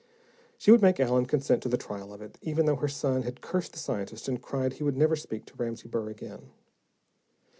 She would make Allen consent to the trial of it, even though her son had cursed the scientist and cried he would never speak to Ramsey Burr again.